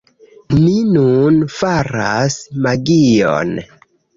Ni nun faras magion